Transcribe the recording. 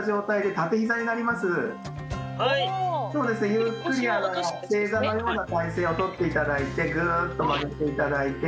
ゆっくり正座のような体勢をとっていただいてぐっと曲げていただいて。